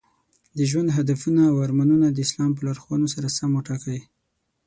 د ژوند هدفونه او ارمانونه د اسلام په لارښوونو سره سم وټاکئ.